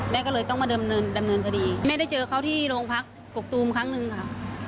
แม่ก็เลยต้องมาดำเนินพอดีแม่ได้เจอเขาที่โรงพลักษณ์โขกตูมครั้งนึงครับ